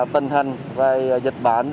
tình hình về dịch bệnh